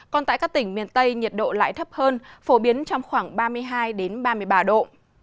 còn tại các tỉnh miền tây nhiệt độ lại thấp hơn phổ biến trong khoảng ba mươi hai ba mươi ba độ